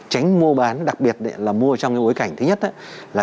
tránh mua bán đặc biệt là mua trong cái bối cảnh thứ nhất là